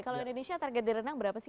kalau indonesia target di renang berapa sih